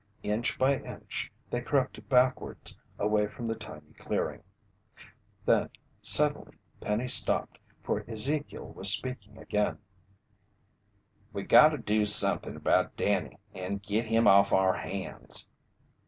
Inch by inch, they crept backwards away from the tiny clearing. Then suddenly Penny stopped, for Ezekiel was speaking again: "We gotta do something about Danny and git him off our hands."